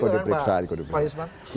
dipriksa juga kan pak yusman